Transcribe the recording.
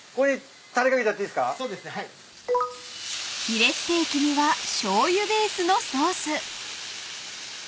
［ヒレステーキにはしょうゆベースのソース］